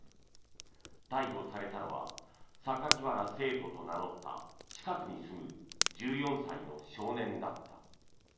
逮捕されたのは酒鬼薔薇聖斗と名乗った近くに住む１４歳の少年だった。